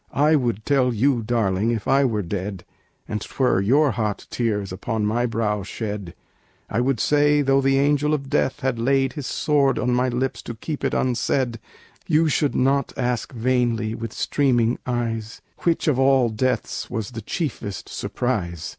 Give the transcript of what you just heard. "I would tell you, darling, if I were dead, And 'twere your hot tears upon my brow shed, "I would say, though the Angel of Death had laid His sword on my lips to keep it unsaid, "You should not ask vainly, with streaming eyes, Which of all deaths was the chiefest surprise.